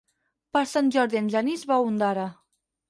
Per Sant Jordi en Genís va a Ondara.